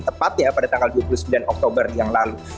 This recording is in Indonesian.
tepatnya pada tanggal dua puluh sembilan oktober yang lalu